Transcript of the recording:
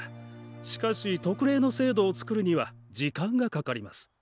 しかし特例の制度を作るには時間がかかります。